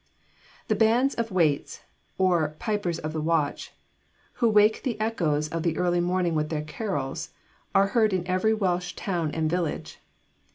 The bands of waits, or 'pipers of the watch,' who wake the echoes of the early morning with their carols, are heard in every Welsh town and village.